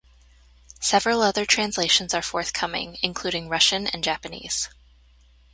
Several other translations are forthcoming, including Russian and Japanese.